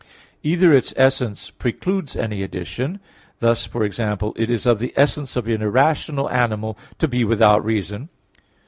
Either its essence precludes any addition; thus, for example, it is of the essence of an irrational animal to be without reason.